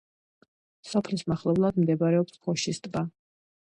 სოფლის მახლობლად მდებარეობს გოშის ტბა.